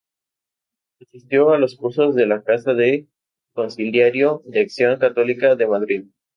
Asistió a los cursos de la Casa del Consiliario de Acción Católica de Madrid.